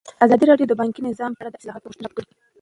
ازادي راډیو د بانکي نظام په اړه د اصلاحاتو غوښتنې راپور کړې.